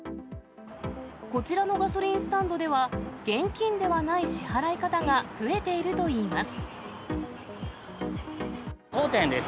こちらのガソリンスタンドでは、現金ではない支払い方が増えているといいます。